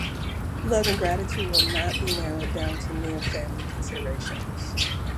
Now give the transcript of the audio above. Love and gratitude will not be narrowed down to mere family-considerations.